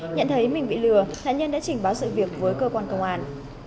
nhận thấy mình bị lừa nạn nhân đã trình báo sự việc với cơ quan công an